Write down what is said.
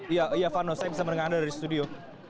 iya vanno saya bisa mendengar anda dari studio